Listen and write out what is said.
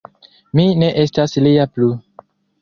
Mi ne estas lia plu.